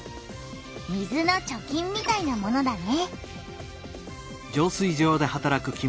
「水の貯金」みたいなものだね。